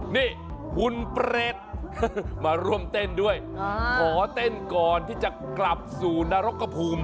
นี่หุ่นเปรตมาร่วมเต้นด้วยขอเต้นก่อนที่จะกลับสู่นรกกระภูมิ